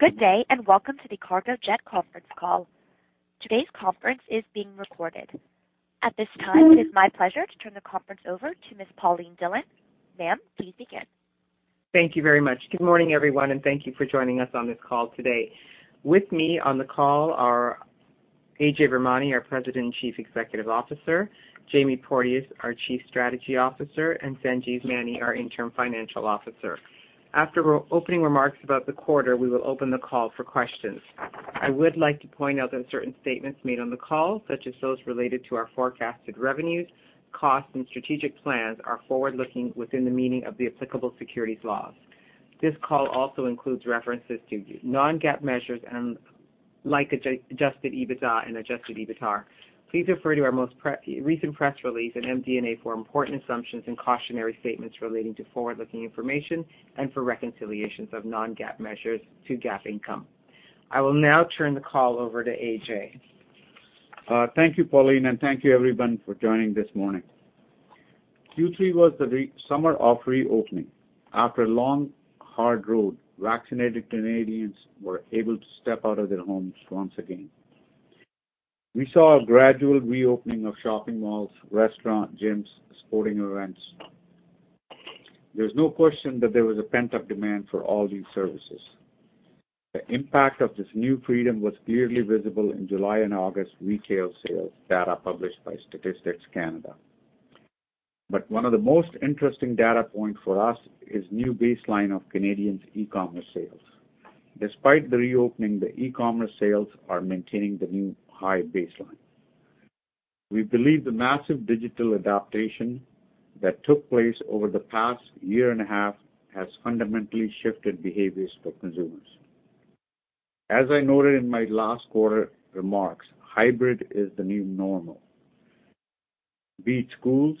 Good day, and welcome to the Cargojet conference call. Today's conference is being recorded. At this time, it is my pleasure to turn the conference over to Ms. Pauline Dhillon. Ma'am, please begin. Thank you very much. Good morning, everyone, and thank you for joining us on this call today. With me on the call are Ajay Virmani, our President and Chief Executive Officer, Jamie Porteous, our Chief Strategy Officer, and Sanjeev Maini, our Interim Chief Financial Officer. After opening remarks about the quarter, we will open the call for questions. I would like to point out that certain statements made on the call, such as those related to our forecasted revenues, costs, and strategic plans, are forward-looking within the meaning of the applicable securities laws. This call also includes references to non-GAAP measures like adjusted EBITDA and adjusted EBITDAR. Please refer to our most recent press release in MD&A for important assumptions and cautionary statements relating to forward-looking information and for reconciliations of non-GAAP measures to GAAP income. I will now turn the call over to Ajay. Thank you, Pauline, and thank you everyone for joining this morning. Q3 was the summer of reopening. After a long, hard road, vaccinated Canadians were able to step out of their homes once again. We saw a gradual reopening of shopping malls, restaurants, gyms, sporting events. There's no question that there was a pent-up demand for all these services. The impact of this new freedom was clearly visible in July and August retail sales data published by Statistics Canada. One of the most interesting data points for us is new baseline of Canadians' e-commerce sales. Despite the reopening, the e-commerce sales are maintaining the new high baseline. We believe the massive digital adaptation that took place over the past year and a half has fundamentally shifted behaviors for consumers. As I noted in my last quarter remarks, hybrid is the new normal. Be it schools,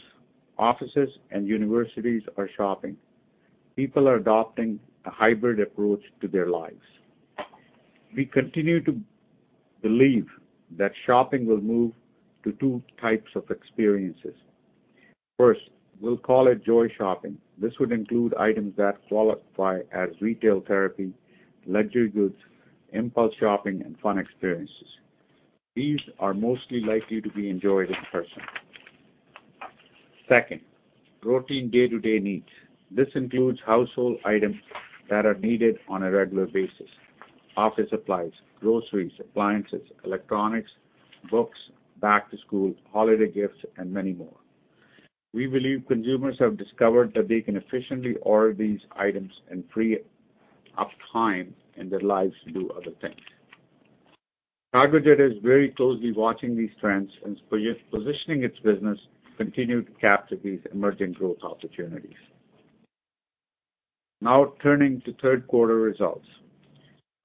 offices, and universities or shopping. People are adopting a hybrid approach to their lives. We continue to believe that shopping will move to two types of experiences. First, we'll call it joy shopping. This would include items that qualify as retail therapy, luxury goods, impulse shopping, and fun experiences. These are most likely to be enjoyed in person. Second, routine day-to-day needs. This includes household items that are needed on a regular basis, office supplies, groceries, appliances, electronics, books, back-to-school, holiday gifts, and many more. We believe consumers have discovered that they can efficiently order these items and free up time in their lives to do other things. Cargojet is very closely watching these trends and repositioning its business to continue to capture these emerging growth opportunities. Now turning to Q3 results.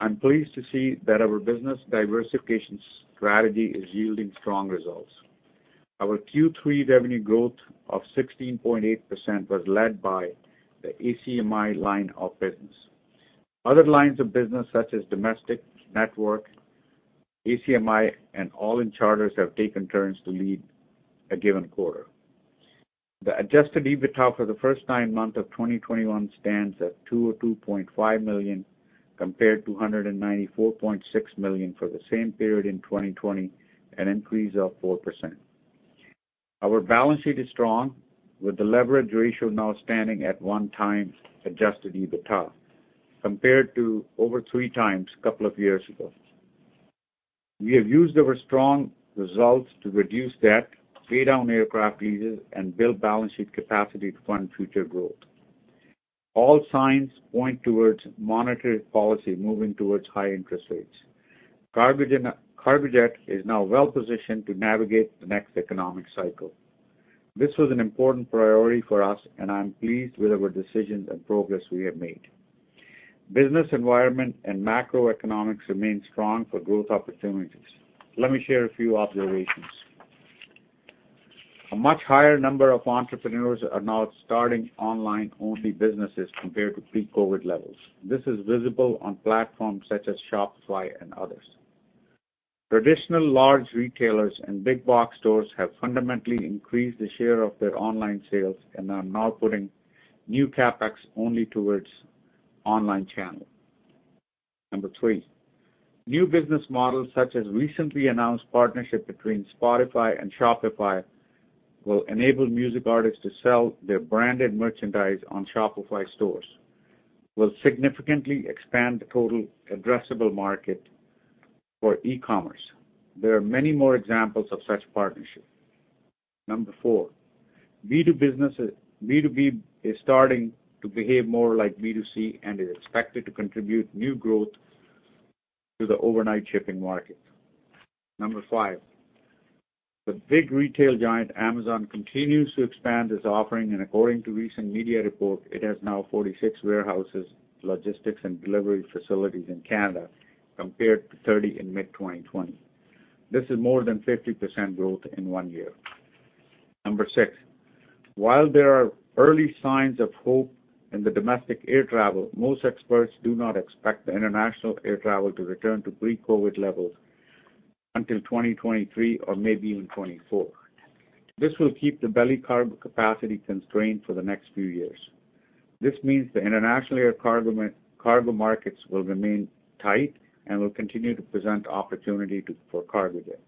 I'm pleased to see that our business diversification strategy is yielding strong results. Our Q3 revenue growth of 16.8% was led by the ACMI line of business. Other lines of business, such as domestic, network, ACMI, and all-in charters, have taken turns to lead a given quarter. The adjusted EBITDA for the first nine months of 2021 stands at 202.5 million, compared to 194.6 million for the same period in 2020, an increase of 4%. Our balance sheet is strong, with the leverage ratio now standing at 1.0x adjusted EBITDA, compared to over 3.0x a couple of years ago. We have used our strong results to reduce debt, pay down aircraft leases, and build balance sheet capacity to fund future growth. All signs point towards monetary policy moving towards higher interest rates. Cargojet is now well positioned to navigate the next economic cycle. This was an important priority for us, and I am pleased with our decisions and progress we have made. Business environment and macroeconomics remain strong for growth opportunities. Let me share a few observations. A much higher number of entrepreneurs are now starting online-only businesses compared to pre-COVID levels. This is visible on platforms such as Shopify and others. Traditional large retailers and big box stores have fundamentally increased the share of their online sales and are now putting new CapEx only towards online channel. Number three, new business models, such as recently announced partnership between Spotify and Shopify, will enable music artists to sell their branded merchandise on Shopify stores, will significantly expand the total addressable market for e-commerce. There are many more examples of such partnerships. Number four, B2B is starting to behave more like B2C and is expected to contribute new growth to the overnight shipping market. Number five, the big retail giant Amazon continues to expand its offering, and according to recent media reports, it has now 46 warehouses, logistics, and delivery facilities in Canada, compared to 30 in mid-2020. This is more than 50% growth in one year. Number six, while there are early signs of hope in the domestic air travel, most experts do not expect the international air travel to return to pre-COVID levels until 2023 or maybe even 2024. This will keep the belly cargo capacity constrained for the next few years. This means the international air cargo cargo markets will remain tight and will continue to present opportunity for Cargojet.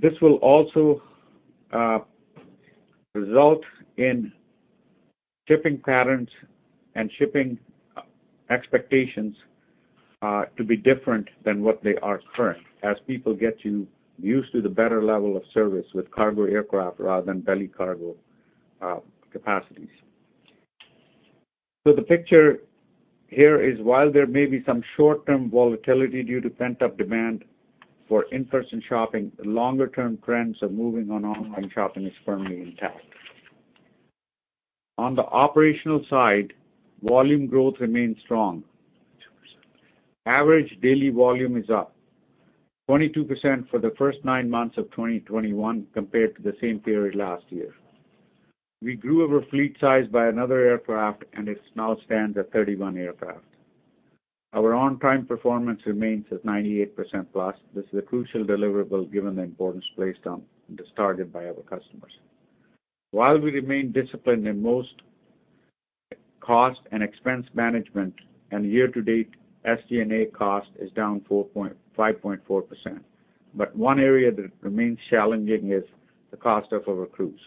This will also result in shipping patterns and shipping expectations to be different than what they are current as people get used to the better level of service with cargo aircraft rather than belly cargo capacities. The picture here is while there may be some short-term volatility due to pent-up demand for in-person shopping, the longer-term trends of moving on online shopping is firmly intact. On the operational side, volume growth remains strong. Average daily volume is up 22% for the first nine months of 2021 compared to the same period last year. We grew our fleet size by another aircraft, and it now stands at 31 aircraft. Our on-time performance remains at 98% plus. This is a crucial deliverable given the importance placed on this target by our customers. While we remain disciplined in most cost and expense management, and year-to-date SG&A cost is down 5.4%. One area that remains challenging is the cost of our crews.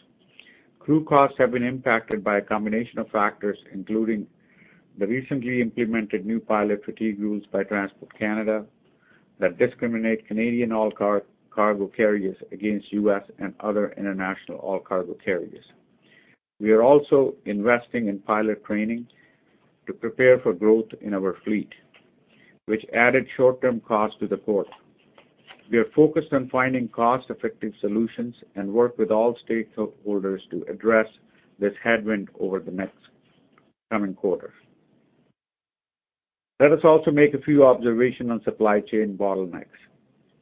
Crew costs have been impacted by a combination of factors, including the recently implemented new pilot fatigue rules by Transport Canada that discriminate Canadian all-cargo carriers against U.S. and other international all-cargo carriers. We are also investing in pilot training to prepare for growth in our fleet, which added short-term costs to the quarter. We are focused on finding cost-effective solutions and work with all stakeholders to address this headwind over the next coming quarters. Let us also make a few observations on supply chain bottlenecks.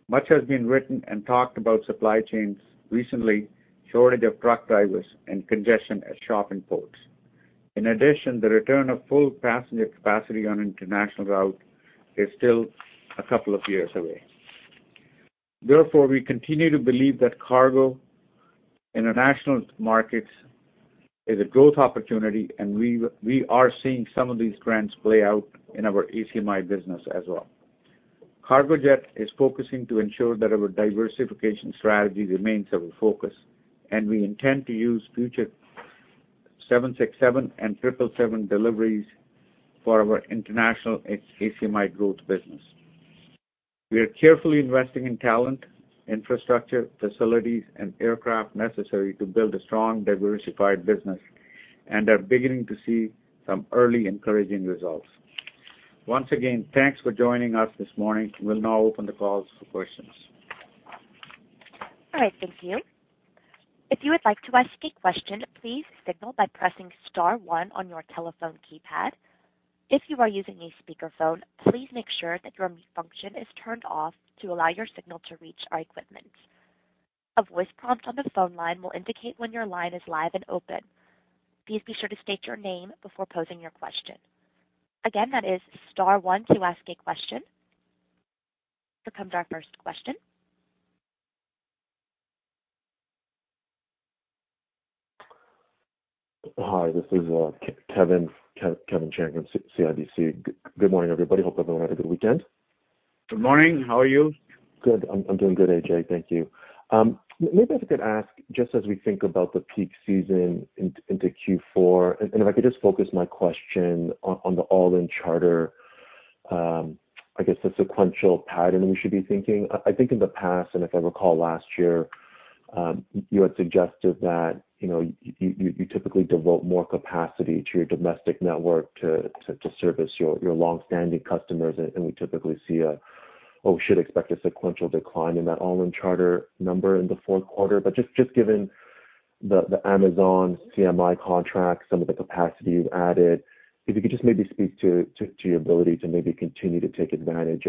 Much has been written and talked about supply chains recently, shortage of truck drivers and congestion at shipping ports. In addition, the return of full passenger capacity on international route is still a couple of years away. Therefore, we continue to believe that cargo international markets is a growth opportunity, and we are seeing some of these trends play out in our ACMI business as well. Cargojet is focusing to ensure that our diversification strategy remains our focus, and we intend to use future 767 and 777 deliveries for our international ACMI growth business. We are carefully investing in talent, infrastructure, facilities, and aircraft necessary to build a strong, diversified business and are beginning to see some early encouraging results. Once again, thanks for joining us this morning. We'll now open the call for questions. All right. Thank you. If you would like to ask a question, please signal by pressing star one on your telephone keypad. If you are using a speakerphone, please make sure that your mute function is turned off to allow your signal to reach our equipment. A voice prompt on the phone line will indicate when your line is live and open. Please be sure to state your name before posing your question. Again, that is star one to ask a question. Here comes our first question. Hi, this is Kevin Chiang from CIBC. Good morning, everybody. Hope everyone had a good weekend. Good morning. How are you? Good. I'm doing good, Ajay. Thank you. Maybe if I could ask, just as we think about the peak season into Q4, and if I could just focus my question on the all-in charter, I guess the sequential pattern we should be thinking. I think in the past, and if I recall last year, you had suggested that, you know, you typically devote more capacity to your domestic network to service your long-standing customers, and we typically see a or should expect a sequential decline in that all-in charter number in the fourth quarter. Just given the Amazon CMI contract, some of the capacity you've added, if you could just maybe speak to your ability to maybe continue to take advantage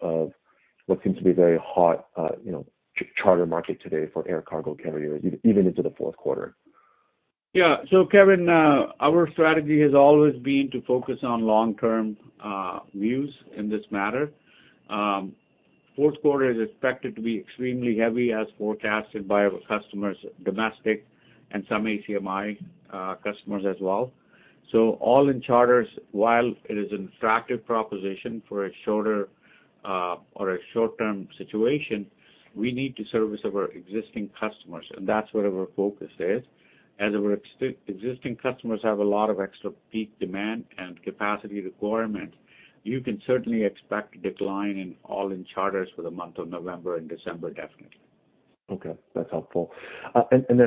of what seems to be very hot, you know, charter market today for air cargo carriers, even into the fourth quarter. Kevin, our strategy has always been to focus on long-term views in this matter. Q4 is expected to be extremely heavy as forecasted by our customers, domestic and some ACMI customers as well. All-in charters, while it is an attractive proposition for a shorter or a short-term situation, we need to service our existing customers, and that's where our focus is. As our existing customers have a lot of extra peak demand and capacity requirement, you can certainly expect decline in all-in charters for the month of November and December, definitely. Okay. That's helpful. I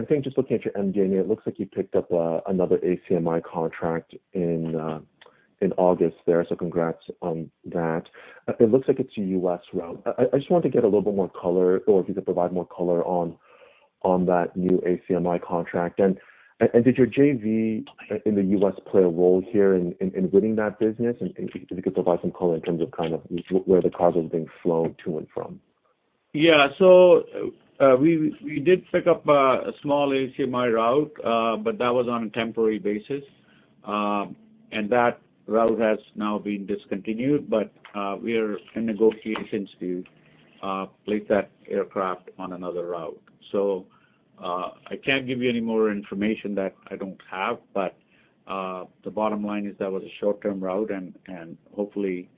think just looking at your MD&A, it looks like you picked up another ACMI contract in August there. Congrats on that. It looks like it's a U.S. route. I just wanted to get a little bit more color or if you could provide more color on that new ACMI contract. Did your JV in the U.S. play a role here in winning that business? If you could provide some color in terms of kind of where the cargo is being flown to and from? Yeah. We did pick up a small ACMI route, but that was on a temporary basis. That route has now been discontinued. We are in negotiations to place that aircraft on another route. I can't give you any more information that I don't have, but the bottom line is that was a short-term route and hopefully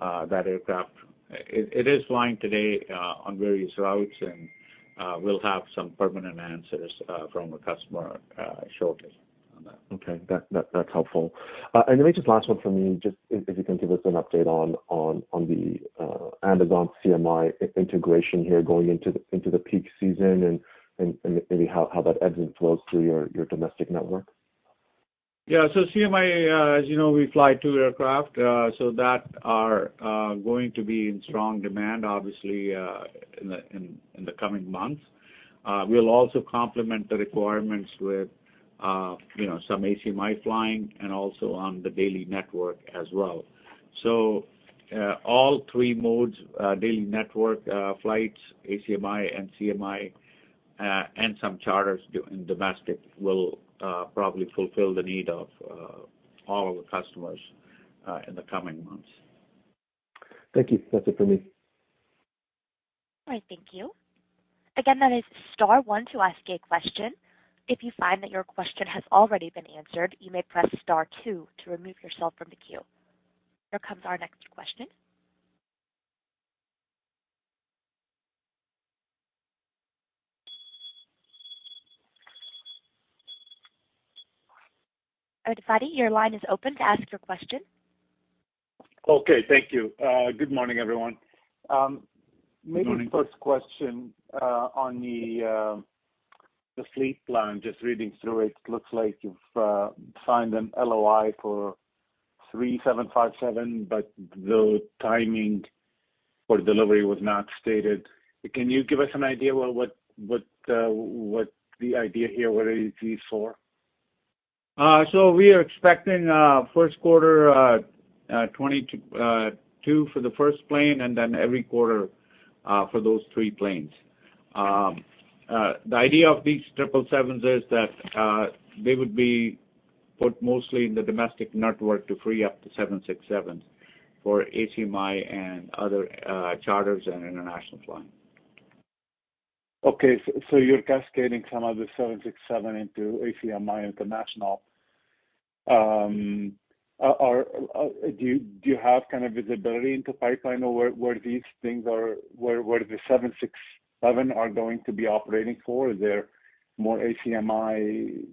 that aircraft is flying today on various routes, and we'll have some permanent answers from a customer shortly on that. Okay. That's helpful. Then just last one from me, just if you can give us an update on the Amazon CMI integration here going into the peak season and maybe how that ebbs and flows through your domestic network. Yeah. CMI, as you know, we fly two aircraft. They are going to be in strong demand obviously, in the coming months. We'll also complement the requirements with, you know, some ACMI flying and also on the daily network as well. All three modes, daily network, flights, ACMI and CMI, and some charters done in domestic will probably fulfill the need of all of the customers in the coming months. Thank you. That's it for me. All right, thank you. Again, that is star one to ask a question. If you find that your question has already been answered, you may press star two to remove yourself from the queue. Here comes our next question. Konark Gupta, your line is open to ask your question. Okay, thank you. Good morning, everyone. Good morning. Maybe first question on the fleet plan. Just reading through it, looks like you've signed an LOI for 757, but the timing for delivery was not stated. Can you give us an idea what the idea here, what are these for? We are expecting Q1 2022, two for the first plane, and then every quarter for those three planes. The idea of these triple sevens is that they would be put mostly in the domestic network to free up the 767s for ACMI and other charters and international flying. Okay. You're cascading some of the 767 into ACMI international. Do you have kind of visibility into pipeline or where these things are where the 767 are going to be operating for? Is there more ACMI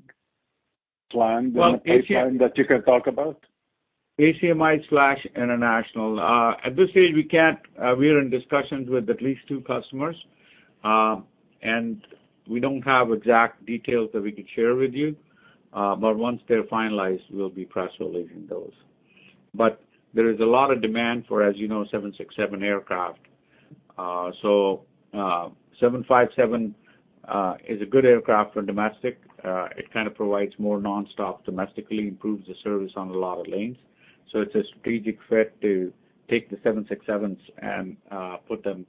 plan than a- Well, ACMI pipeline that you can talk about? ACMI/international. At this stage, we can't, we are in discussions with at least two customers. We don't have exact details that we could share with you. Once they're finalized, we'll be press releasing those. There is a lot of demand for, 767 aircraft. 757 is a good aircraft for domestic. It kind of provides more nonstop domestically, improves the service on a lot of lanes. It's a strategic fit to take the 767 and put them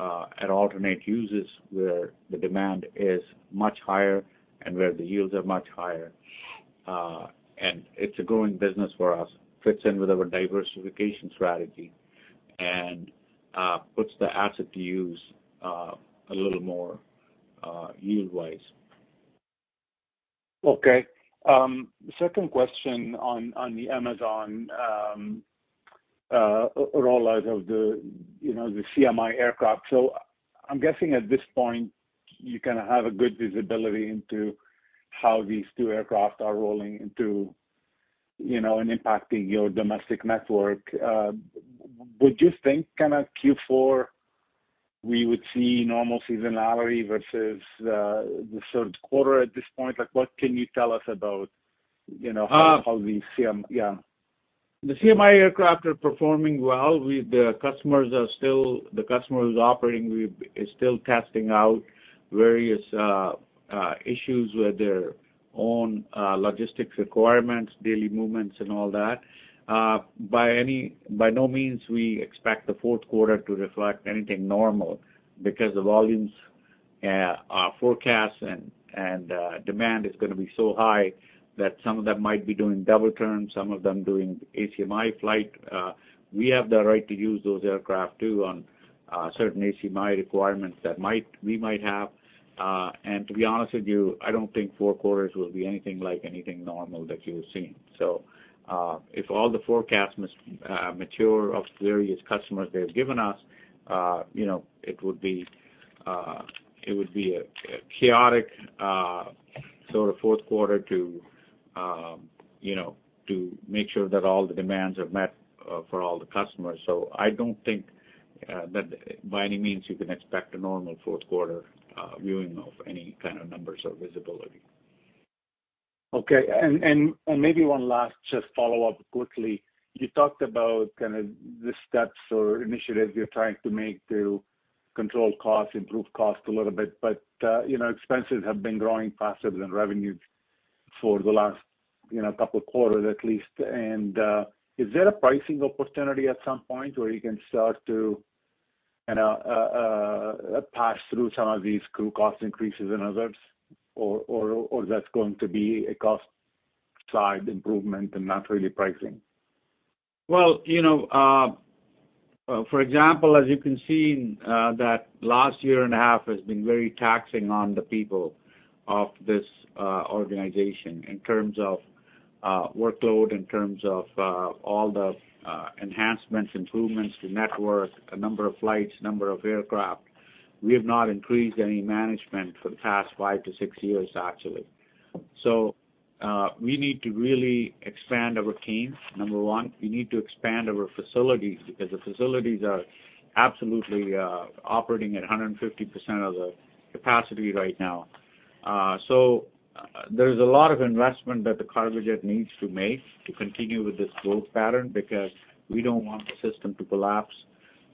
at alternate uses where the demand is much higher and where the yields are much higher. It's a growing business for us. Fits in with our diversification strategy and puts the asset to use a little more yield wise. Okay. Second question on the Amazon rollout of the, he CMI aircraft. I'm guessing at this point, you kind of have a good visibility into how these two aircraft are rolling into, you know, and impacting your domestic network. Would you think kind of Q4, we would see normal seasonality versus the third quarter at this point? Like, what can you tell us about, Uh- Yeah. The CMI aircraft are performing well. The customers operating with us are still testing out various issues with their own logistics requirements, daily movements and all that. By no means do we expect the Q4 to reflect anything normal because the volumes are forecast and demand is gonna be so high that some of them might be doing double turns, some of them doing ACMI flight. We have the right to use those aircraft too on certain ACMI requirements that we might have. To be honest with you, I don't think Q4 will be anything like anything normal that you've seen. If all the forecasts mature of various customers they've given us, it would be a chaotic sort of Q4 to make sure that all the demands are met for all the customers. I don't think that by any means you can expect a normal Q4 viewing of any kind of numbers or visibility. Okay. Maybe one last just follow-up quickly. You talked about kind of the steps or initiatives you're trying to make to control costs, improve cost a little bit. You know, expenses have been growing faster than revenues. For the last, couple of quarters at least. Is there a pricing opportunity at some point where you can start to, pass through some of these crew cost increases and others, or that's going to be a cost side improvement and not really pricing? Well, for example, as you can see, that last year and a half has been very taxing on the people of this organization in terms of workload, in terms of all the enhancements, improvements to network, a number of flights, number of aircraft. We have not increased any management for the past five to six years, actually. We need to really expand our team, number one. We need to expand our facilities because the facilities are absolutely operating at 150% of the capacity right now. There's a lot of investment that Cargojet needs to make to continue with this growth pattern, because we don't want the system to collapse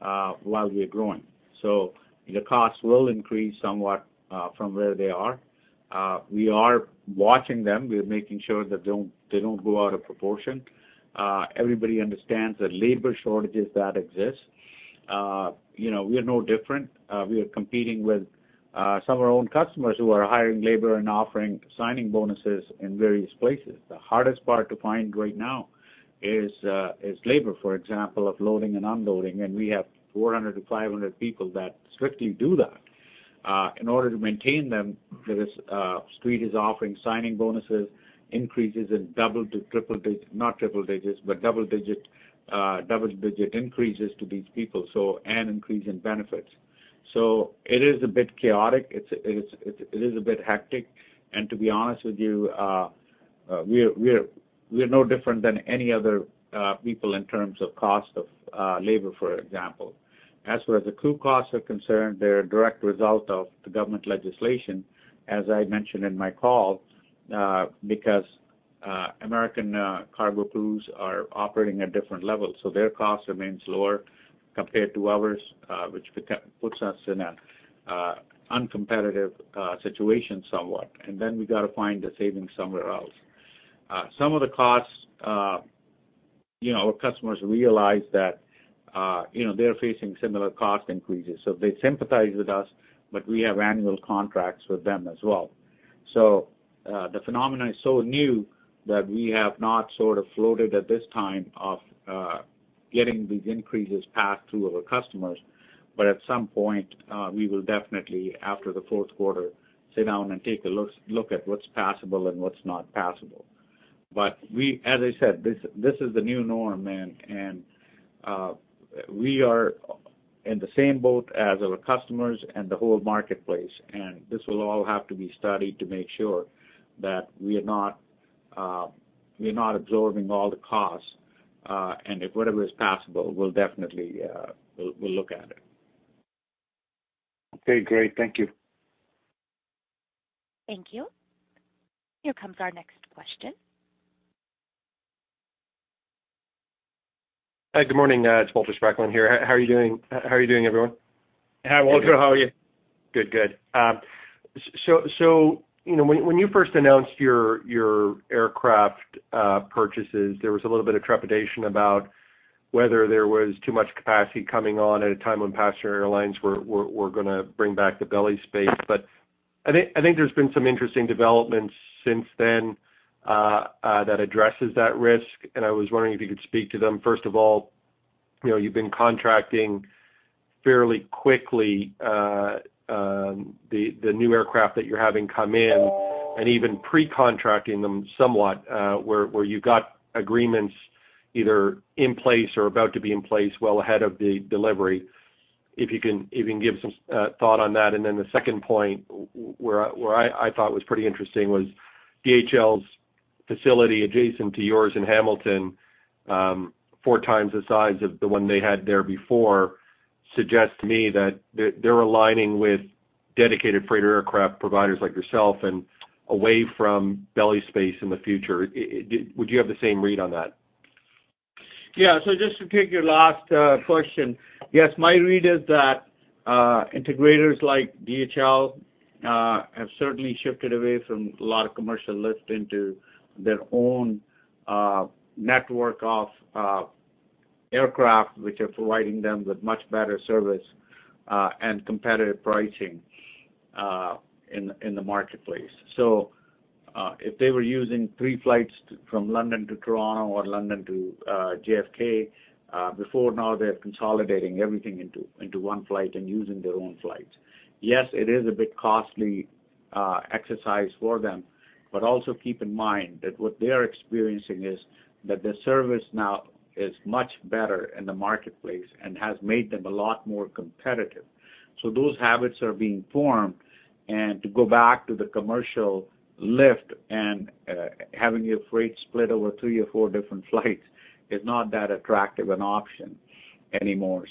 while we're growing. The cost will increase somewhat from where they are. We are watching them. We are making sure that they don't go out of proportion. Everybody understands the labor shortages that exist. We are no different. We are competing with some of our own customers who are hiring labor and offering signing bonuses in various places. The hardest part to find right now is labor, for example, of loading and unloading, and we have 400-500 people that strictly do that. In order to maintain them, street is offering signing bonuses, double digit increases to these people, and increase in benefits. It is a bit chaotic. It is a bit hectic. To be honest with you, we're no different than any other people in terms of cost of labor, for example. As far as the crew costs are concerned, they're a direct result of the government legislation, as I mentioned in my call, because American cargo crews are operating at different levels, so their cost remains lower compared to ours, which puts us in an uncompetitive situation somewhat. Then we gotta find the savings somewhere else. Some of the costs, you know, our customers realize that, they're facing similar cost increases, so they sympathize with us, but we have annual contracts with them as well. The phenomenon is so new that we have not sort of floated at this time of getting these increases passed through our customers. At some point, we will definitely, after the Q4, sit down and take a look at what's passable and what's not passable. We, as I said, this is the new norm and we are in the same boat as our customers and the whole marketplace. This will all have to be studied to make sure that we're not absorbing all the costs. If whatever is passable, we'll definitely look at it. Okay, great. Thank you. Thank you. Here comes our next question. Hi, good morning. It's Walter Spracklin here. How are you doing? How are you doing, everyone? Hi, Walter. How are you? Good. So, when you first announced your aircraft purchases, there was a little bit of trepidation about whether there was too much capacity coming on at a time when passenger airlines were gonna bring back the belly space. But I think there's been some interesting developments since then that addresses that risk, and I was wondering if you could speak to them. First of all, you've been contracting fairly quickly the new aircraft that you're having come in and even pre-contracting them somewhat, where you got agreements either in place or about to be in place well ahead of the delivery. If you can give some thought on that. Then the second point, where I thought was pretty interesting was DHL's facility adjacent to yours in Hamilton, four times the size of the one they had there before, suggests to me that they're aligning with dedicated freighter aircraft providers like yourself and away from belly space in the future. Would you have the same read on that? Yeah. Just to take your last question. Yes, my read is that integrators like DHL have certainly shifted away from a lot of commercial lift into their own network of aircraft, which are providing them with much better service and competitive pricing in the marketplace. If they were using three flights from London to Toronto or London to JFK before now they're consolidating everything into one flight and using their own flights. Yes, it is a bit costly exercise for them, but also keep in mind that what they are experiencing is that the service now is much better in the marketplace and has made them a lot more competitive. Those habits are being formed. To go back to the commercial lift and having your freight split over three or four different flights is not that attractive an option anymore.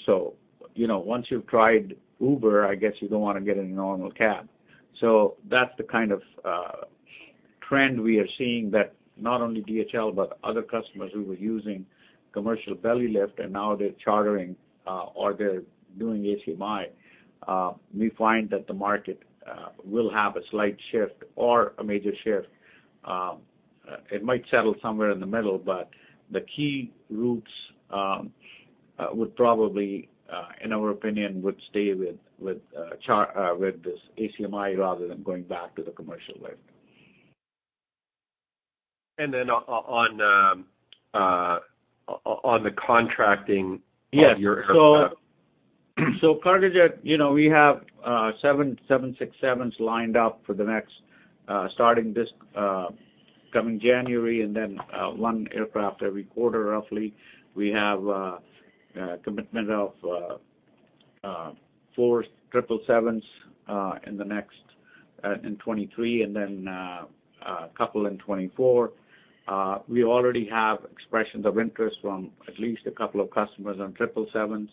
You know, once you've tried Uber, I guess you don't wanna get in a normal cab. That's the kind of trend we are seeing that not only DHL, but other customers who were using commercial belly lift and now they're chartering or they're doing ACMI. We find that the market will have a slight shift or a major shift. It might settle somewhere in the middle, but the key routes would probably, in our opinion, would stay with this ACMI rather than going back to the commercial lift. On the contracting of your aircraft. Yes. Cargojet, we have seven 767s lined up for the next, starting this coming January and then one aircraft every quarter roughly. We have a commitment of four 777 in 2023, and then a couple in 2024. We already have expressions of interest from at least a couple of customers on 777.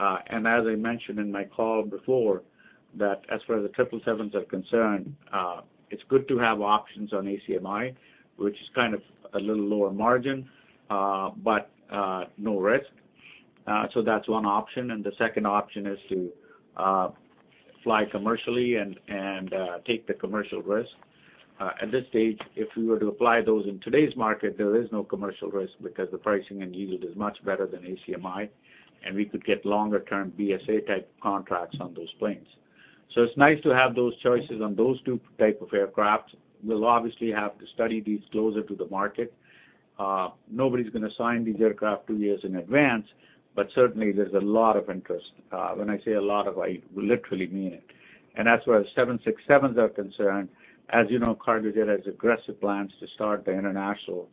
As I mentioned in my call before, as far as the 777 are concerned, it's good to have options on ACMI, which is kind of a little lower margin, but no risk. That's one option. The second option is to fly commercially and take the commercial risk. At this stage, if we were to apply those in today's market, there is no commercial risk because the pricing and yield is much better than ACMI, and we could get longer term BSA type contracts on those planes. It's nice to have those choices on those two type of aircraft. We'll obviously have to study these closer to the market. Nobody's gonna sign these aircraft 2 years in advance, but certainly there's a lot of interest. When I say a lot of, I literally mean it. As far as 767s are concerned, as you know, Cargojet has aggressive plans to start the international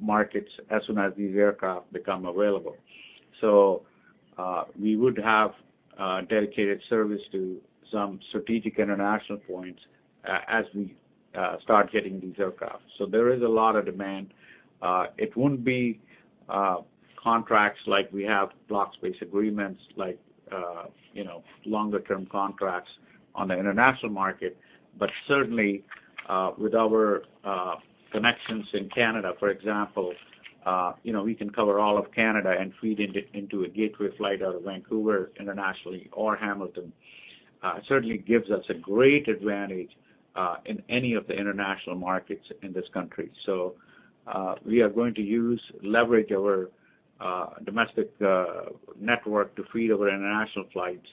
markets as soon as these aircraft become available. We would have a dedicated service to some strategic international points as we start getting these aircraft. There is a lot of demand. It wouldn't be contracts like we have blocks-based agreements like, you know, longer term contracts on the international market. Certainly, with our connections in Canada, for example, we can cover all of Canada and feed into a gateway flight out of Vancouver internationally or Hamilton. It certainly gives us a great advantage in any of the international markets in this country. We are going to leverage our domestic network to feed our international flights.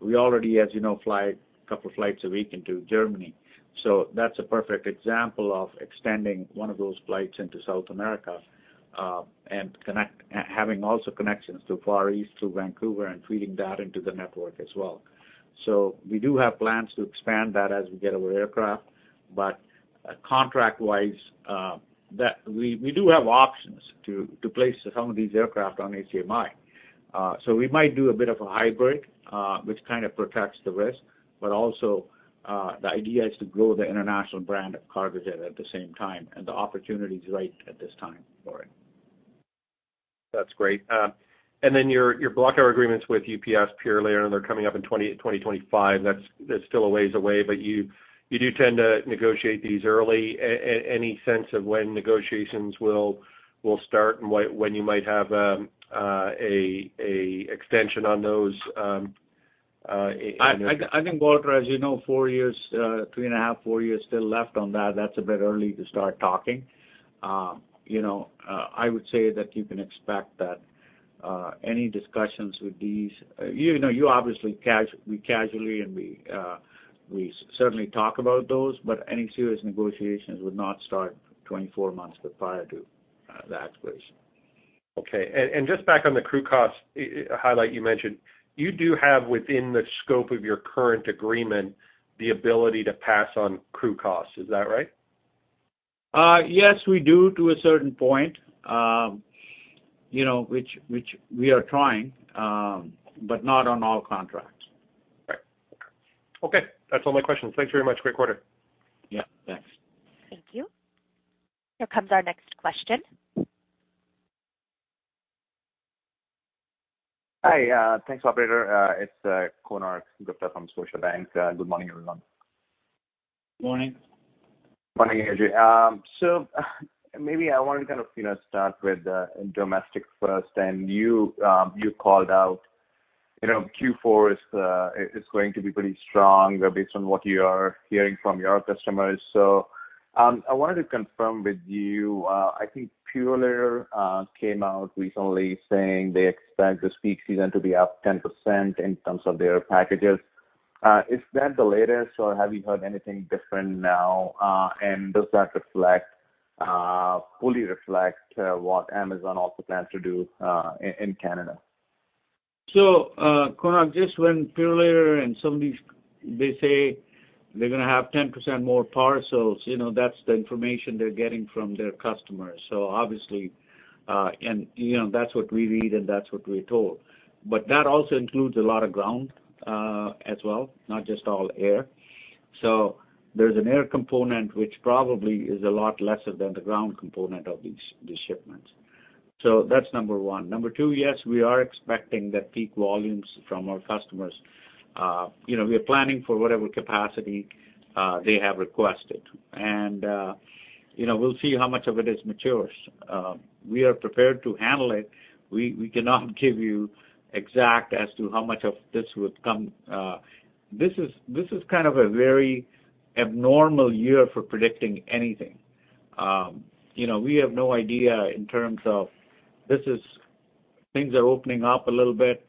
We already, as you know, fly a couple of flights a week into Germany. That's a perfect example of extending one of those flights into South America and having also connections to Far East through Vancouver and feeding that into the network as well. We do have plans to expand that as we get our aircraft. Contract-wise, that we do have options to place some of these aircraft on ACMI. We might do a bit of a hybrid, which kind of protects the risk, but also, the idea is to grow the international brand of Cargojet at the same time, and the opportunity is right at this time for it. That's great. Your block hour agreements with UPS, Purolator, and they're coming up in 2025. That's still a ways away, but you do tend to negotiate these early. Any sense of when negotiations will start and when you might have an extension on those, in- I think, Walter, as you know, 4 years, still left on that. That's a bit early to start talking. I would say that you can expect that any discussions with these. You obviously we casually and we certainly talk about those, but any serious negotiations would not start 24 months but prior to that, please. Okay. Just back on the crew cost highlight you mentioned, you do have within the scope of your current agreement the ability to pass on crew costs. Is that right? Yes, we do to a certain point, you know, which we are trying, but not on all contracts. Right. Okay. That's all my questions. Thanks very much. Great quarter. Yeah. Thanks. Thank you. Here comes our next question. Hi. Thanks, operator. It's Konark Gupta from Scotiabank. Good morning, everyone. Morning. Morning, Ajay. Maybe I want to kind of, you know, start with domestic first. You called out, Q4 is going to be pretty strong based on what you are hearing from your customers. I wanted to confirm with you. I think Purolator came out recently saying they expect this peak season to be up 10% in terms of their packages. Is that the latest, or have you heard anything different now? Does that fully reflect what Amazon also plans to do in Canada? Konark, just when Purolator and some of these they say they're gonna have 10% more parcels, you know, that's the information they're getting from their customers. Obviously, that's what we read and that's what we're told. But that also includes a lot of ground, as well, not just all air. There's an air component, which probably is a lot lesser than the ground component of these shipments. That's number one. Number two, yes, we are expecting the peak volumes from our customers. We are planning for whatever capacity they have requested. We'll see how much of it materializes. We are prepared to handle it. We cannot give you an exact as to how much of this would come. This is kind of a very abnormal year for predicting anything. We have no idea in terms of things are opening up a little bit.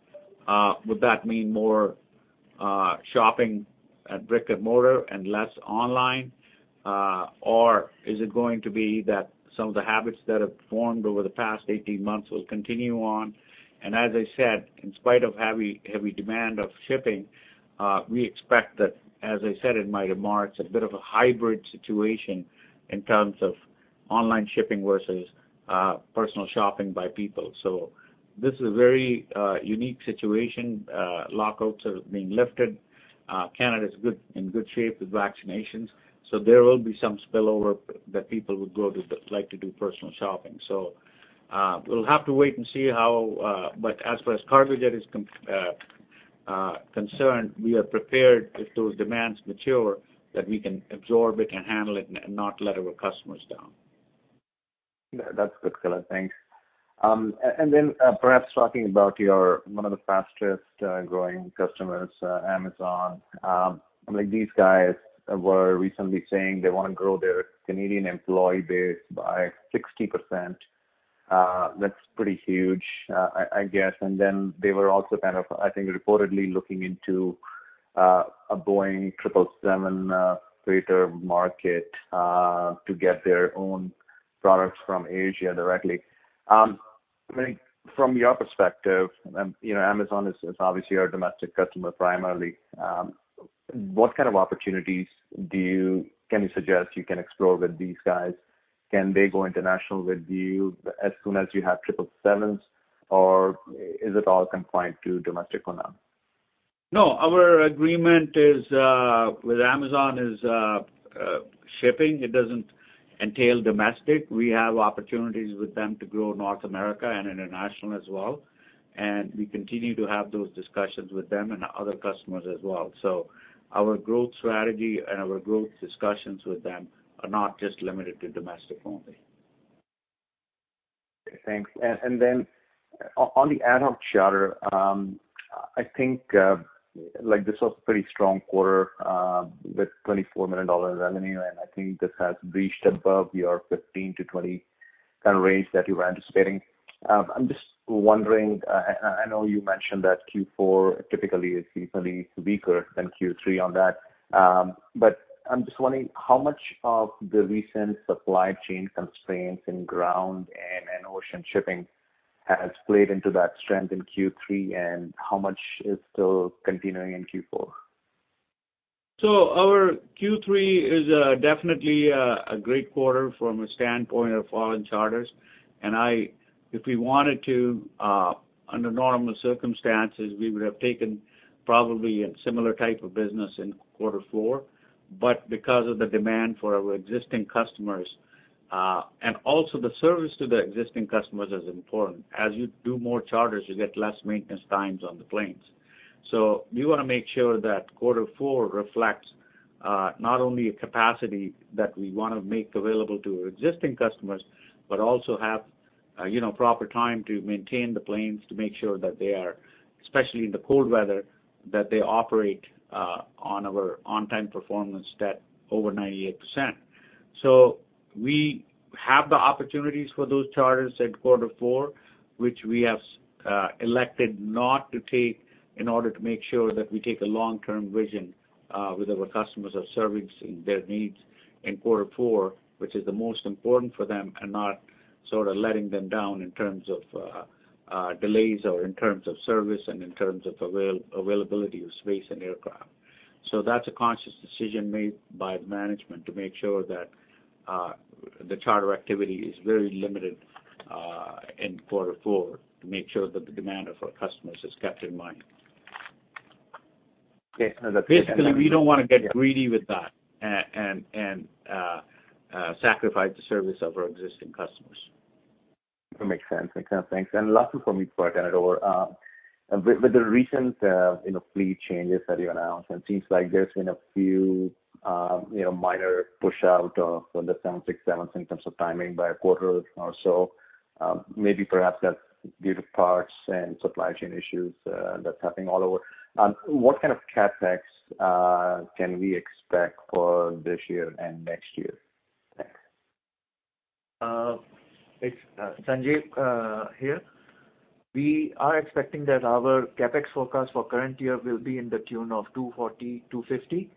Would that mean more shopping at brick-and-mortar and less online? Or is it going to be that some of the habits that have formed over the past 18 months will continue on? As I said, in spite of heavy demand for shipping, we expect that, as I said in my remarks, a bit of a hybrid situation in terms of online shipping versus personal shopping by people. This is a very unique situation. Lockdowns are being lifted. Canada is in good shape with vaccinations, so there will be some spillover that people would like to do personal shopping. We'll have to wait and see how, but as far as Cargojet is concerned, we are prepared if those demands mature, that we can absorb it and handle it and not let our customers down. That's good, Konark, thanks. Perhaps talking about your one of the fastest growing customers, Amazon. Like these guys were recently saying they wanna grow their Canadian employee base by 60%. That's pretty huge, I guess. They were also kind of, I think, reportedly looking into a Boeing triple seven freighter market to get their own products from Asia directly. I think from your perspective, Amazon is obviously our domestic customer primarily. What kind of opportunities can you suggest you can explore with these guys? Can they go international with you as soon as you have triple sevens, or is it all confined to domestic or not? No, our agreement with Amazon is shipping. It doesn't entail domestic. We have opportunities with them to grow North America and international as well, and we continue to have those discussions with them and other customers as well. Our growth strategy and our growth discussions with them are not just limited to domestic only. Thanks. Then on the ad hoc charter, I think, like, this was a pretty strong quarter, with 24 million dollar revenue, and I think this has breached above your 15 million-20 million kind of range that you were anticipating. I'm just wondering, I know you mentioned that Q4 typically is seasonally weaker than Q3 on that. But I'm just wondering how much of the recent supply chain constraints in ground and in ocean shipping has played into that strength in Q3, and how much is still continuing in Q4? Our Q3 is definitely a great quarter from a standpoint of all in charters. If we wanted to, under normal circumstances, we would have taken probably a similar type of business in quarter four. Because of the demand for our existing customers, and also the service to the existing customers is important. As you do more charters, you get less maintenance times on the planes. We wanna make sure that quarter four reflects not only a capacity that we wanna make available to our existing customers, but also have, you know, proper time to maintain the planes to make sure that they are, especially in the cold weather, that they operate on our on-time performance that over 98%. We have the opportunities for those charters at quarter four, which we have elected not to take in order to make sure that we take a long-term vision with our customers of servicing their needs in quarter four, which is the most important for them, and not sort of letting them down in terms of delays or in terms of service and in terms of availability of space and aircraft. That's a conscious decision made by management to make sure that the charter activity is very limited in quarter four to make sure that the demand of our customers is kept in mind. Okay. Basically, we don't wanna get greedy with that and sacrifice the service of our existing customers. That makes sense. Okay, thanks. Lastly from me before I hand it over. With the recent, you know, fleet changes that you announced, and it seems like there's been a few, you know, minor push out of the 767s in terms of timing by a quarter or so, maybe perhaps that's due to parts and supply chain issues, that's happening all over. What kind of CapEx can we expect for this year and next year? Thanks. It's Sanjeev here. We are expecting that our CapEx forecast for current year will be in the tune of 240 million-250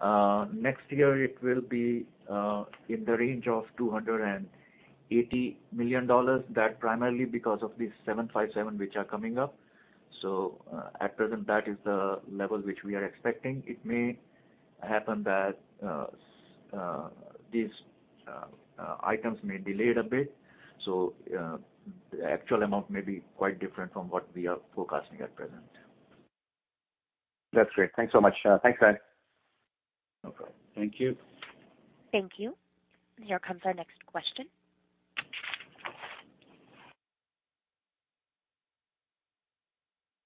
million. Next year it will be in the range of 280 million dollars. That primarily because of the Boeing 757 which are coming up. At present, that is the level which we are expecting. It may happen that these items may delay it a bit, so the actual amount may be quite different from what we are forecasting at present. That's great. Thanks so much. Thanks, guys. No problem. Thank you. Thank you. Here comes our next question.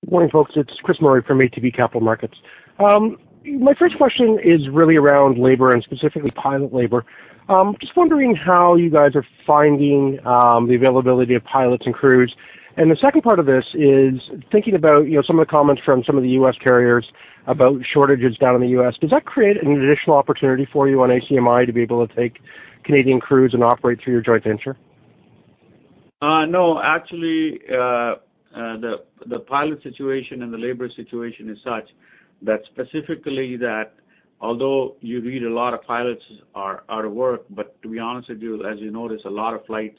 Good morning, folks. It's Chris Murray from ATB Capital Markets. My first question is really around labor, and specifically pilot labor. Just wondering how you guys are finding the availability of pilots and crews. The second part of this is thinking about, you know, some of the comments from some of the U.S. carriers about shortages down in the U.S. Does that create an additional opportunity for you on ACMI to be able to take Canadian crews and operate through your joint venture? No. Actually, the pilot situation and the labor situation is such that specifically that although you read a lot of pilots are out of work, but to be honest with you, as you notice, a lot of flights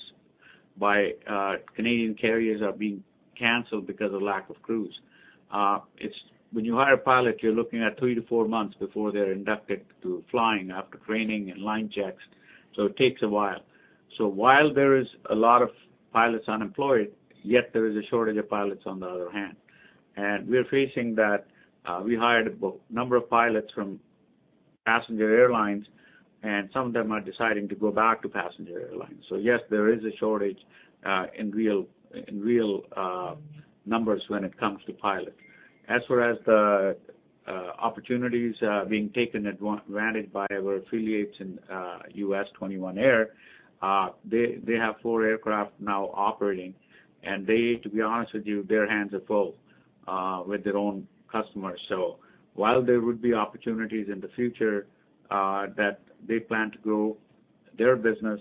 by Canadian carriers are being canceled because of lack of crews. When you hire a pilot, you're looking at three to four months before they're inducted to flying after training and line checks, so it takes a while. While there is a lot of pilots unemployed, yet there is a shortage of pilots on the other hand. We're facing that. We hired a number of pilots from passenger airlines, and some of them are deciding to go back to passenger airlines. Yes, there is a shortage in real numbers when it comes to pilot. As far as the opportunities being granted by our affiliates in 21 Air, they have four aircraft now operating. To be honest with you, their hands are full with their own customers. While there would be opportunities in the future that they plan to grow their business,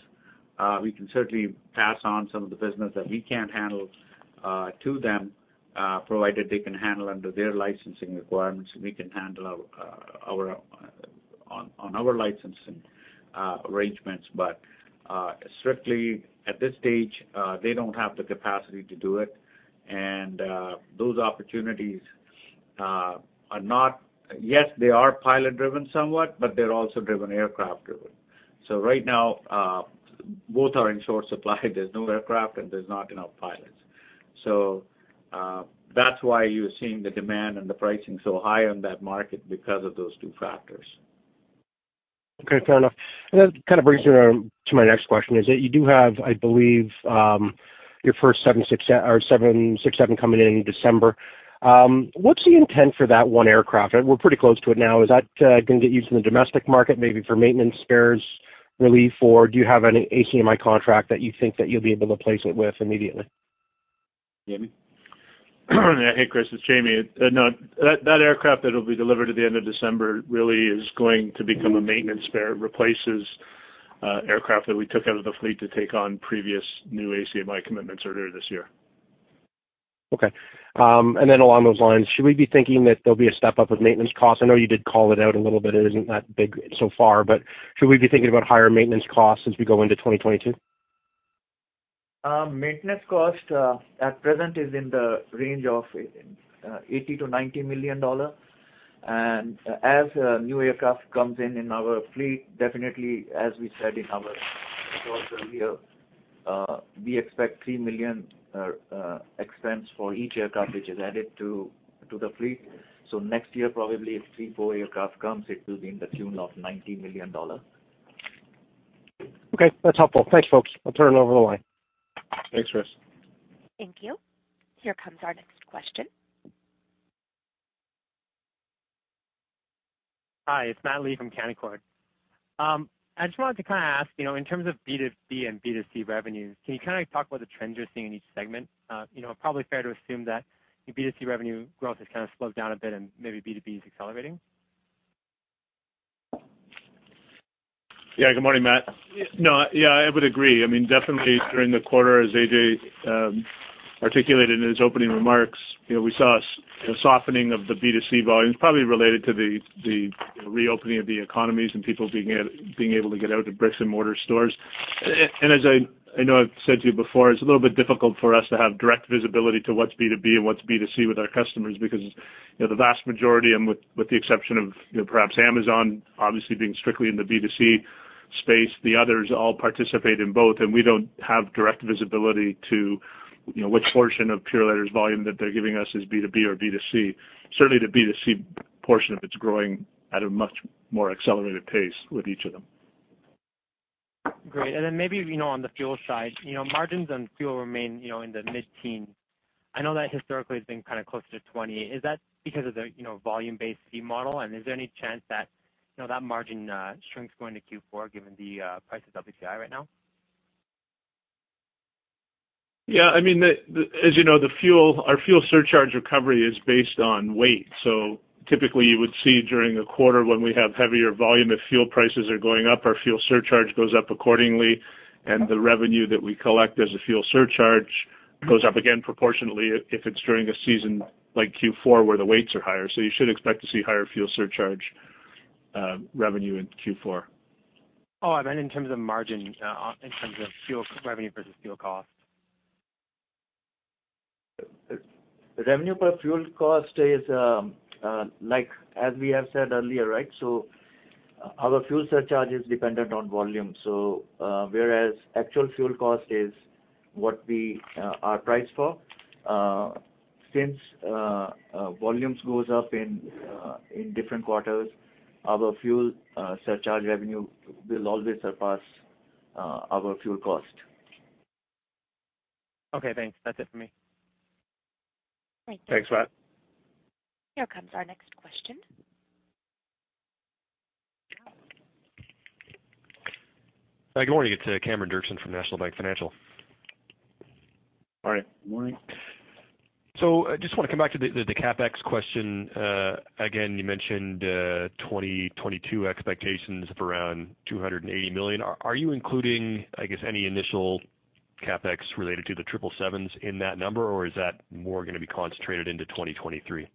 we can certainly pass on some of the business that we can't handle to them, provided they can handle under their licensing requirements, we can handle our licensing arrangements. Strictly at this stage, they don't have the capacity to do it. Those opportunities are pilot-driven somewhat, but they're also aircraft-driven. Right now, both are in short supply. There's no aircraft, and there's not enough pilots. That's why you're seeing the demand and the pricing so high on that market because of those two factors. Okay, fair enough. That kind of brings me around to my next question, is that you do have, I believe, your first 767 or seven six seven coming in in December. What's the intent for that one aircraft? We're pretty close to it now. Is that, gonna get used in the domestic market, maybe for maintenance spares relief? Or do you have an ACMI contract that you think that you'll be able to place it with immediately? Jamie? Hey, Chris, it's Jamie. No, that aircraft that'll be delivered at the end of December really is going to become a maintenance spare. It replaces aircraft that we took out of the fleet to take on previous new ACMI commitments earlier this year. Okay. Along those lines, should we be thinking that there'll be a step up of maintenance costs? I know you did call it out a little bit, it isn't that big so far, but should we be thinking about higher maintenance costs as we go into 2022? Maintenance cost at present is in the range of 80 million-90 million dollar. As a new aircraft comes in in our fleet, definitely, as we said in our earlier, we expect 3 million expense for each aircraft which is added to the fleet. Next year, probably if three to four aircraft comes, it will be in the tune of 90 million dollars. Okay, that's helpful. Thanks, folks. I'll turn it over the line. Thanks, Chris. Thank you. Here comes our next question. Hi, it's Matt Lee from Canaccord Genuity. I just wanted to kinda ask, in terms of B2B and B2C revenues, can you kinda talk about the trends you're seeing in each segment? Probably fair to assume that your B2C revenue growth has kinda slowed down a bit and maybe B2B is accelerating. Yeah. Good morning, Matt. No, yeah, I would agree. I mean, definitely during the quarter, as Ajay articulated in his opening remarks, we saw softening of the B2C volumes, probably related to the reopening of the economies and people being able to get out to bricks and mortar stores. I know I've said to you before, it's a little bit difficult for us to have direct visibility to what's B2B and what's B2C with our customers because, you know, the vast majority, with the exception of, perhaps Amazon, obviously being strictly in the B2C space, the others all participate in both, and we don't have direct visibility to, which portion of Purolator's volume that they're giving us is B2B or B2C. Certainly, the B2C portion of it's growing at a much more accelerated pace with each of them. Great. Then maybe, on the fuel side, margins on fuel remain, in the mid-teens%. I know that historically has been kind of closer to 20%. Is that because of the, you know, volume-based fee model? Is there any chance that margin shrinks going to Q4 given the price of WTI right now? Yeah. I mean, the fuel, our fuel surcharge recovery is based on weight. Typically, you would see during a quarter when we have heavier volume, if fuel prices are going up, our fuel surcharge goes up accordingly, and the revenue that we collect as a fuel surcharge goes up again proportionately if it's during a season like Q4, where the weights are higher. You should expect to see higher fuel surcharge revenue in Q4. Oh, in terms of margin, in terms of fuel revenue versus fuel cost. Revenue versus fuel cost is, like as we have said earlier, right? Our fuel surcharge is dependent on volume. Whereas actual fuel cost is what we are priced for. Since volumes goes up in different quarters, our fuel surcharge revenue will always surpass our fuel cost. Okay, thanks. That's it for me. Thank you. Thanks, Matthew. Here comes our next question. Good morning. It's Cameron Doerksen from National Bank Financial. All right. Good morning. I just wanna come back to the CapEx question. Again, you mentioned 2022 expectations of around 280 million. Are you including, I guess, any initial CapEx related to the triple sevens in that number, or is that more gonna be concentrated into 2023?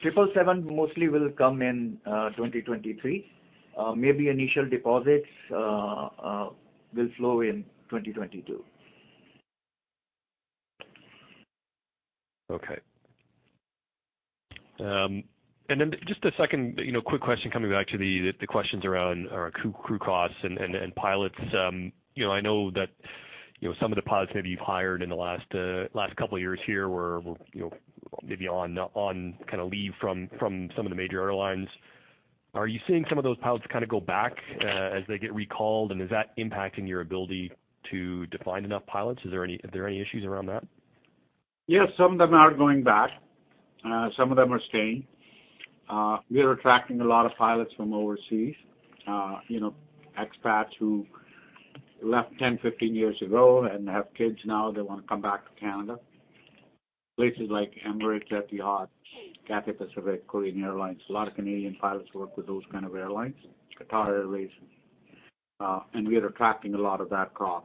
Triple Seven mostly will come in 2023. Maybe initial deposits will flow in 2022. Okay. Just a second, quick question coming back to the questions around crew costs and pilots. I know that, some of the pilots maybe you've hired in the last couple of years here were, maybe on kinda leave from some of the major airlines. Are you seeing some of those pilots kinda go back as they get recalled, and is that impacting your ability to find enough pilots? Are there any issues around that? Yes, some of them are going back. Some of them are staying. We are attracting a lot of pilots from overseas. You know, expats who left 10, 15 years ago and have kids now, they wanna come back to Canada. Places like Emirates, Etihad, Cathay Pacific, Korean Air. A lot of Canadian pilots work with those kind of airlines, Qatar Airways. We are attracting a lot of that crowd,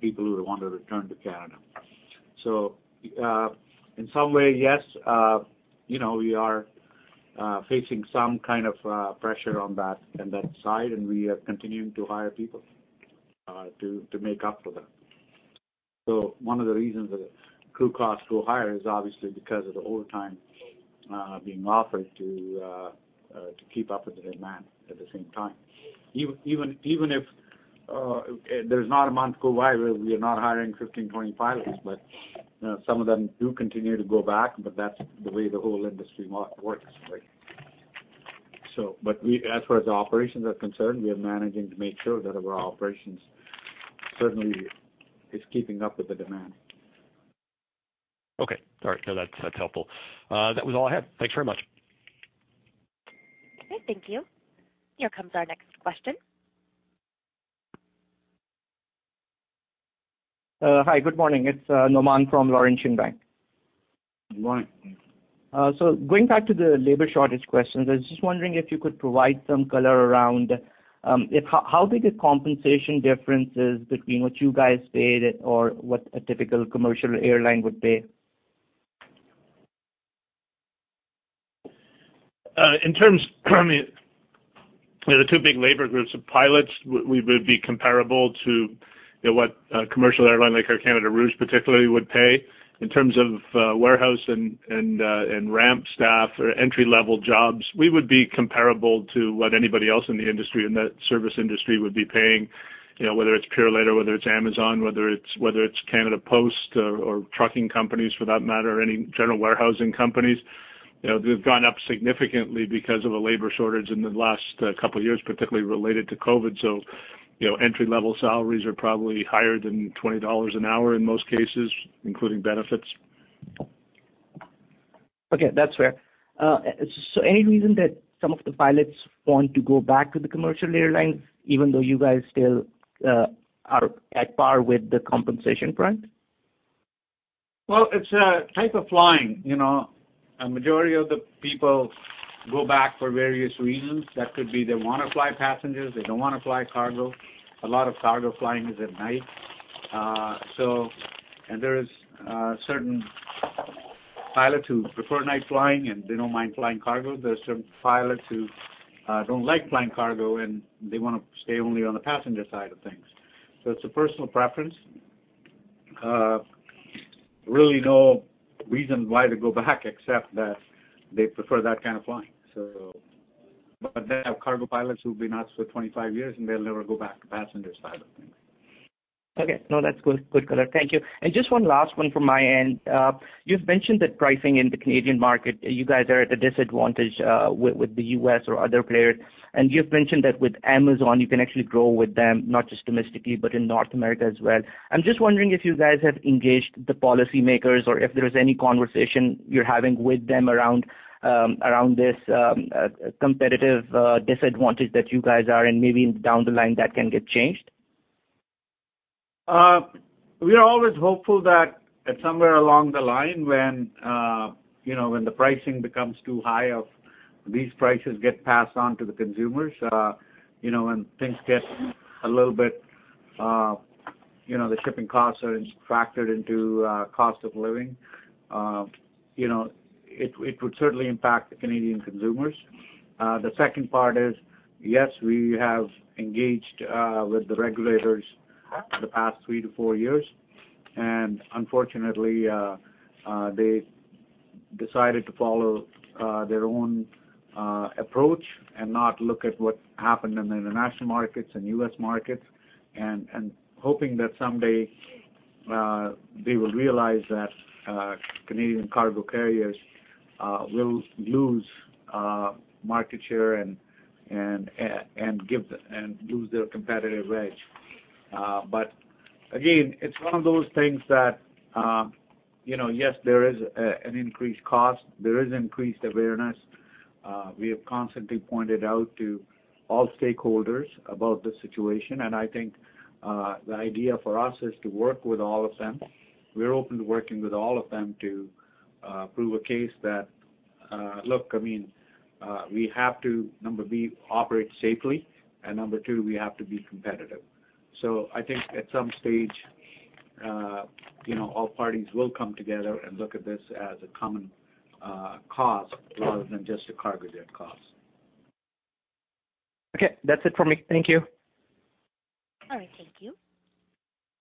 people who want to return to Canada. In some way, yes, you know, we are facing some kind of pressure on that side, and we are continuing to hire people to make up for that. One of the reasons that crew costs go higher is obviously because of the overtime being offered to keep up with the demand at the same time. Even if there's not a month go by where we are not hiring 15, 20 pilots. Some of them do continue to go back, but that's the way the whole industry works, right? As far as the operations are concerned, we are managing to make sure that our operations certainly is keeping up with the demand. Okay. All right. No, that's helpful. That was all I had. Thanks very much. Okay, thank you. Here comes our next question. Hi. Good morning. It's Nauman from Laurentian Bank. Good morning. Going back to the labor shortage question, I was just wondering if you could provide some color around how big a compensation difference is between what you guys pay or what a typical commercial airline would pay? In terms, I mean, the two big labor groups of pilots, we would be comparable to, what a commercial airline like Air Canada Rouge particularly would pay. In terms of warehouse and ramp staff or entry-level jobs, we would be comparable to what anybody else in the industry, in that service industry would be paying, whether it's Purolator, whether it's Amazon, whether it's Canada Post or trucking companies for that matter, any general warehousing companies. You know, they've gone up significantly because of a labor shortage in the last couple years, particularly related to COVID-19. Entry-level salaries are probably higher than 20 dollars an hour in most cases, including benefits. Okay, that's fair. Any reason that some of the pilots want to go back to the commercial airlines even though you guys still are at par with the compensation front? Well, it's a type of flying. A majority of the people go back for various reasons. That could be they wanna fly passengers, they don't wanna fly cargo. A lot of cargo flying is at night. So there's certain pilots who prefer night flying and they don't mind flying cargo. There are certain pilots who don't like flying cargo and they wanna stay only on the passenger side of things. It's a personal preference. Really no reason why to go back except that they prefer that kind of flying. Cargo pilots who've been with us for 25 years, and they'll never go back to passenger side of things. Okay. No, that's good. Good, good. Thank you. Just one last one from my end. You've mentioned that pricing in the Canadian market, you guys are at a disadvantage with the U.S. or other players. You've mentioned that with Amazon, you can actually grow with them, not just domestically, but in North America as well. I'm just wondering if you guys have engaged the policymakers or if there is any conversation you're having with them around this competitive disadvantage that you guys are and maybe down the line that can get changed. We are always hopeful that at somewhere along the line when, you know, when the pricing becomes too high if these prices get passed on to the consumers, you know, when things get a little bit, you know, the shipping costs are factored into, cost of living, you know, it would certainly impact the Canadian consumers. The second part is, yes, we have engaged with the regulators for the past three to four years, and unfortunately, they decided to follow their own approach and not look at what happened in the international markets and U.S. markets, and hoping that someday they will realize that Canadian cargo carriers will lose market share and lose their competitive edge. Again, it's one of those things that, yes, there is an increased cost. There is increased awareness. We have constantly pointed out to all stakeholders about the situation, and I think the idea for us is to work with all of them. We're open to working with all of them to prove a case that, look, I mean, we have to, number one, operate safely and number two, we have to be competitive. I think at some stage, all parties will come together and look at this as a common cause rather than just a Cargojet cause. Okay. That's it for me. Thank you. All right. Thank you.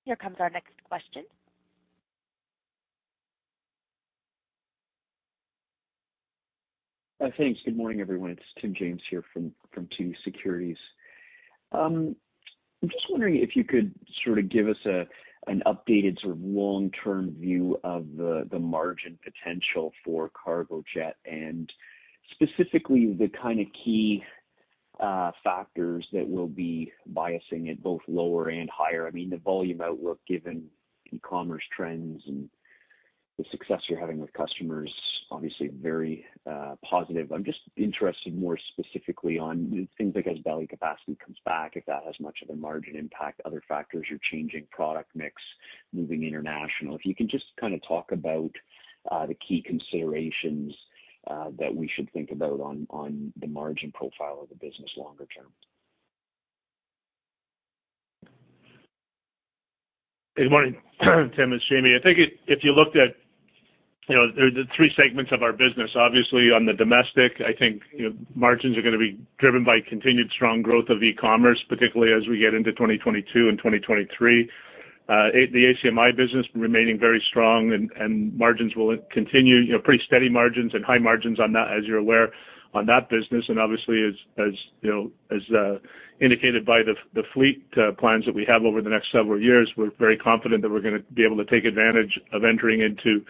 Here comes our next question. Thanks. Good morning, everyone. It's Tim James here from TD Securities. I'm just wondering if you could sort of give us an updated sort of long-term view of the margin potential for Cargojet, and specifically the kind of key factors that will be biasing it both lower and higher. I mean, the volume outlook, given e-commerce trends and the success you're having with customers, obviously very positive. I'm just interested more specifically on things like as belly capacity comes back, if that has much of a margin impact, other factors, you're changing product mix, moving international. If you can just kind of talk about the key considerations that we should think about on the margin profile of the business longer term. Good morning, Tim. It's Jamie. I think if you looked at, the three segments of our business, obviously on the domestic, I think, margins are gonna be driven by continued strong growth of e-commerce, particularly as we get into 2022 and 2023. The ACMI business remaining very strong and margins will continue, pretty steady margins and high margins on that, as you're aware, on that business. Obviously as you know, as indicated by the fleet plans that we have over the next several years, we're very confident that we're gonna be able to take advantage of entering into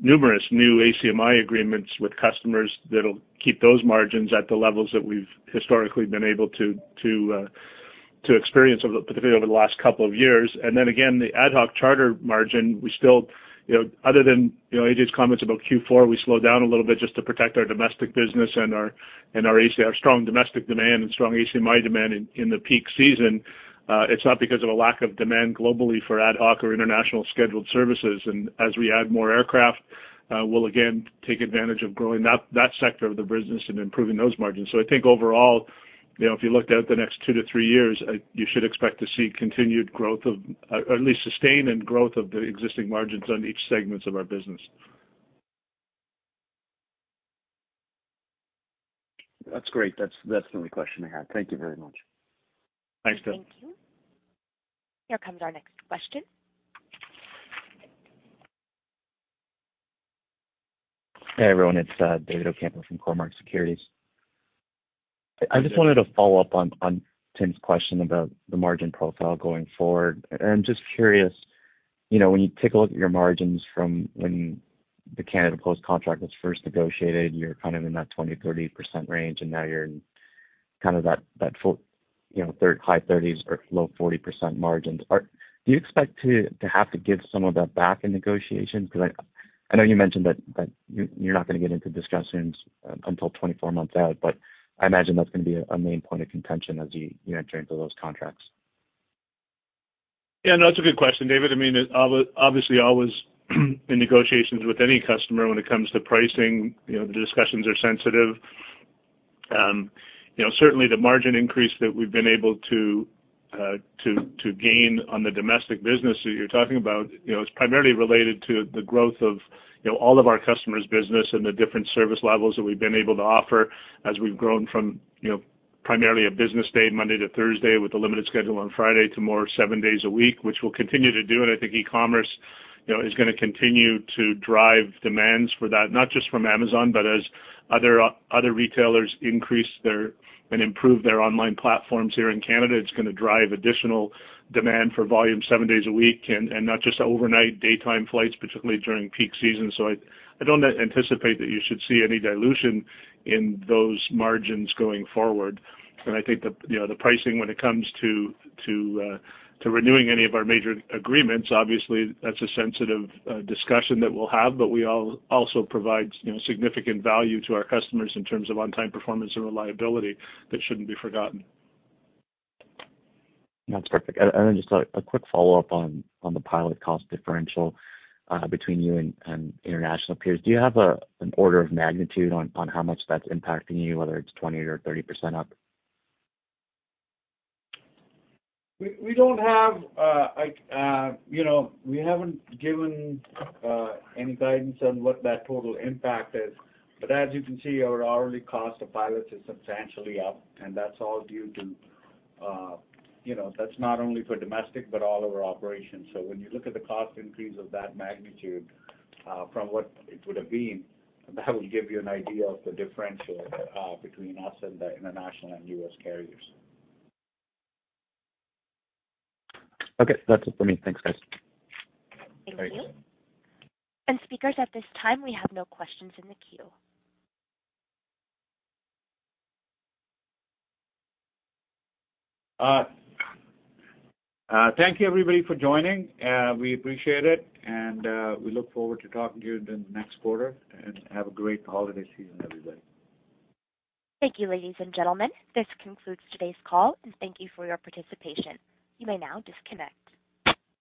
numerous new ACMI agreements with customers that'll keep those margins at the levels that we've historically been able to experience over the, particularly over the last couple of years. Then again, the ad hoc charter margin, we still, you know, other than, AJ's comments about Q4, we slowed down a little bit just to protect our domestic business and our strong domestic demand and strong ACMI demand in the peak season. It's not because of a lack of demand globally for ad hoc or international scheduled services. As we add more aircraft, we'll again take advantage of growing that sector of the business and improving those margins. I think overall, if you looked out the next two to three years, you should expect to see continued growth of, or at least sustained and growth of the existing margins on each segments of our business. That's great. That's the only question I had. Thank you very much. Thanks, Tim. Thank you. Here comes our next question. Hey, everyone. It's David Ocampo from Cormark Securities Inc. I just wanted to follow up on Tim's question about the margin profile going forward. I'm just curious, you know, when you take a look at your margins from when the Canada Post contract was first negotiated, you're kind of in that 20%-30% range, and now you're in kind of high 30% or low 40% margins. Do you expect to have to give some of that back in negotiations? Because I know you mentioned that you're not gonna get into discussions until 24 months out, but I imagine that's gonna be a main point of contention as you enter into those contracts. Yeah, no, that's a good question, David. I mean, obviously, always in negotiations with any customer when it comes to pricing, the discussions are sensitive. Certainly the margin increase that we've been able to gain on the domestic business that you're talking about, is primarily related to the growth of, all of our customers' business and the different service levels that we've been able to offer as we've grown from, primarily a business day, Monday to Thursday, with a limited schedule on Friday to more seven days a week, which we'll continue to do. I think e-commerce, you know, is gonna continue to drive demands for that, not just from Amazon, but as other retailers increase their, and improve their online platforms here in Canada, it's gonna drive additional demand for volume seven days a week and not just overnight, daytime flights, particularly during peak season. I don't anticipate that you should see any dilution in those margins going forward. I think the, you know, the pricing when it comes to renewing any of our major agreements, obviously that's a sensitive discussion that we'll have, but we also provide, significant value to our customers in terms of on-time performance and reliability that shouldn't be forgotten. That's perfect. Just a quick follow-up on the pilot cost differential between you and international peers. Do you have an order of magnitude on how much that's impacting you, whether it's 20% or 30% up? We don't have, like, we haven't given any guidance on what that total impact is. As you can see, our hourly cost of pilots is substantially up, and that's all due to, that's not only for domestic but all of our operations. When you look at the cost increase of that magnitude, from what it would have been, that will give you an idea of the differential between us and the international and U.S. carriers. Okay. That's it for me. Thanks, guys. Thank you. Speakers at this time, we have no questions in the queue. Thank you everybody for joining. We appreciate it, and we look forward to talking to you in the next quarter. Have a great holiday season, everybody. Thank you, ladies and gentlemen. This concludes today's call, and thank you for your participation. You may now disconnect.